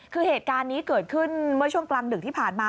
คือเหตุการณ์นี้เกิดขึ้นเมื่อช่วงกลางดึกที่ผ่านมา